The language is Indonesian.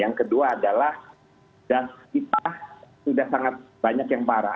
yang kedua adalah gas kita sudah sangat banyak yang parah